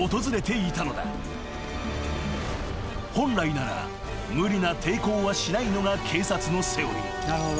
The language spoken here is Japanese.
［本来なら無理な抵抗はしないのが警察のセオリー］